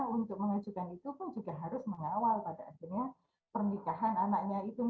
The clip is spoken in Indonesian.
untuk mengajukan itu pun juga harus mengawal pada akhirnya pernikahan anaknya itu